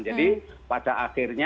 jadi pada akhirnya